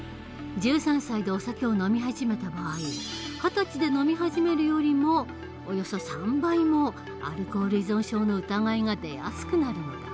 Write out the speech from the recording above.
１３歳でお酒を飲み始めた場合二十歳で飲み始めるよりもおよそ３倍もアルコール依存症の疑いが出やすくなるのだ。